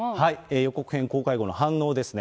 予告編公開後の反応ですね。